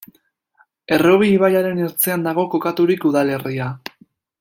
Errobi ibaiaren ertzean dago kokaturik udalerria.